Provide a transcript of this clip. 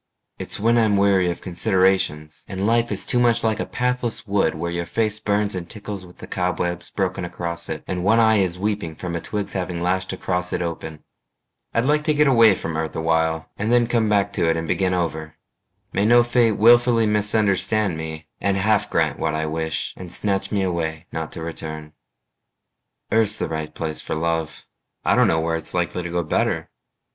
It's when I'm weary of considerations, And life is too much like a pathless wood Where your face burns and tickles with the cobwebs Broken across it, and one eye is weeping From a twig's having lashed across it open. I'd like to get away from earth awhile And then come back to it and begin over. May no fate willfully misunderstand me And half grant what I wish and snatch me away Not to return. Earth's the right place for love: I don't know where it's likely to go better.